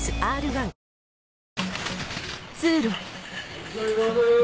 お疲れさまです！